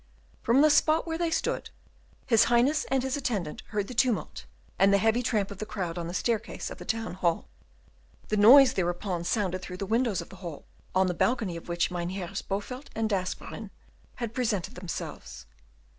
From the spot where they stood, his Highness and his attendant heard the tumult and the heavy tramp of the crowd on the staircase of the Town hall. The noise thereupon sounded through the windows of the hall, on the balcony of which Mynheers Bowelt and D'Asperen had presented themselves.